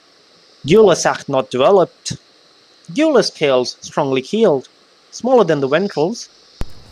Gular sac not developed; gular scales strongly keeled, smaller than the ventrals.